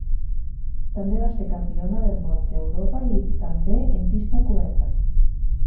També va ser campiona del món, d'Europa i també en pista coberta.